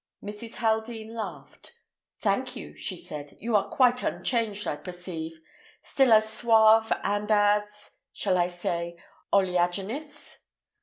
Mrs. Haldean laughed. "Thank you," she said. "You are quite unchanged, I perceive. Still as suave and as—shall I say oleaginous?"